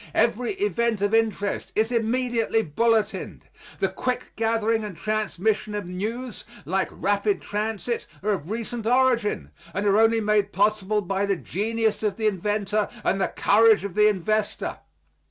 Every event of interest is immediately bulletined. The quick gathering and transmission of news, like rapid transit, are of recent origin, and are only made possible by the genius of the inventor and the courage of the investor.